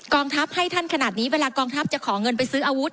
ทัพให้ท่านขนาดนี้เวลากองทัพจะขอเงินไปซื้ออาวุธ